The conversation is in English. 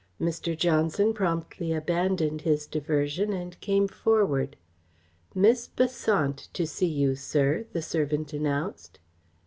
Mr. Johnson promptly abandoned his diversion and came forward. "Miss Besant to see you, sir," the servant announced.